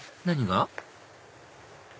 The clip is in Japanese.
何が？